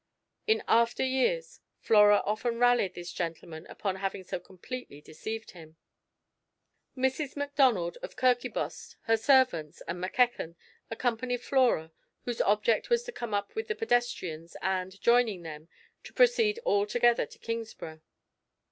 In after years Flora often rallied this gentleman upon having so completely deceived him. Mrs. Macdonald of Kirkibost, her servants, and Mackechan, accompanied Flora, whose object was to come up with the pedestrians and, joining them, to proceed all together to Kingsburgh.